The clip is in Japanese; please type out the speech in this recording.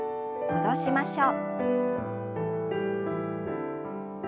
戻しましょう。